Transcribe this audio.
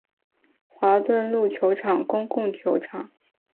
华顿路球场共用球场。